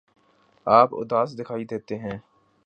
آپ اداس دکھائی دیتے ہیں